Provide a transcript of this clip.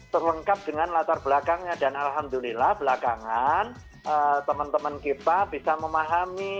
terlengkap dengan latar belakangnya dan alhamdulillah belakangan teman teman kita bisa memahami